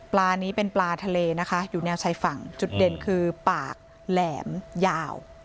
นี้เป็นปลาทะเลนะคะอยู่แนวชายฝั่งจุดเด่นคือปากแหลมยาว